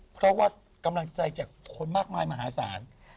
เพราะว่ากำลังใจจากคนมากมายมหาศาล